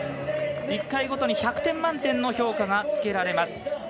１回ごとに１００点満点の評価がつけられます。